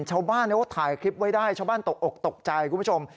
ชาวบ้านเขาถ่ายคลิปไว้ได้ชาวบ้านตกอกตกใจคุณผู้ชม